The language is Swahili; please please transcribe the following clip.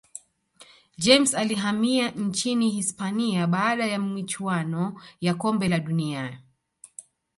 james alihamia nchini hisipania baada ya michuano ya kombe la dunia